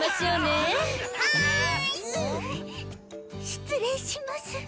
失礼します。